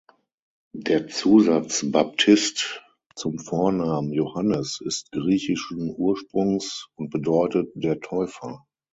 Der Zusatz „Baptist“ zum Vornamen Johannes ist griechischen Ursprungs und bedeutet "der Täufer".